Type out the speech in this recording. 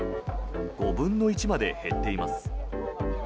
５分の１まで減っています。